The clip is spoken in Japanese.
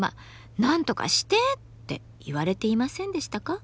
「なんとかして！」って言われていませんでしたか？